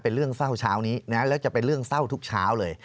เป็นเรื่องเศร้าเช้านี้นะแล้วจะเป็นเรื่องเศร้าทุกเช้าเลย